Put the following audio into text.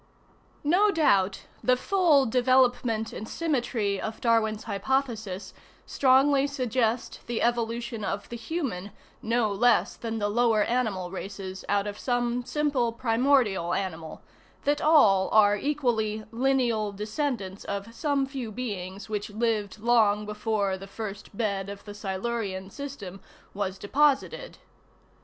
No doubt, the full development and symmetry of Darwin's hypothesis strongly suggest the evolution of the human no less than the lower animal races out of some simple primordial animal, ŌĆö that all are equally "lineal descendants of some few beings which lived long be┬Łfore the first bed of the Silurian system was deposited."